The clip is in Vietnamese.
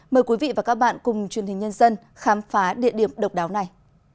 mời quý vị và các bạn cùng truyền hình nhân dân khám phá địa điểm độc đáo này